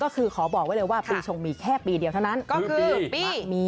ก็คือขอบอกไว้เลยว่าปีชงมีแค่ปีเดียวเท่านั้นก็คือปีมี